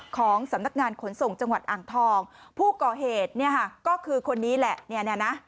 ของสำนักงานขนส่งจังหวัดอ่างทองผู้ก่อเหตุเนี่ยค่ะก็คือคนนี้แหละเนี่ยนะ